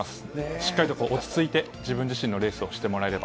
しっかり落ち着いて自分自身のレースをしてもらえればと。